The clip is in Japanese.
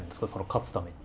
勝つために。